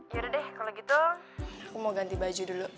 yaudah deh kalau gitu aku mau ganti baju dulu